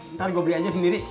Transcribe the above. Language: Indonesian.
ntar gue beli aja sendiri